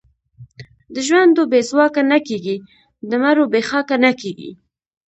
د ژوندو بې ځواکه نه کېږي، د مړو بې خاکه نه کېږي.